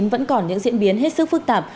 vẫn còn những diễn biến hết sức phức tạp